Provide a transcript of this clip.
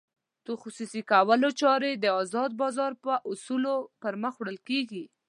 د خصوصي کولو چارې د ازاد بازار په اصولو پرمخ وړل کېږي.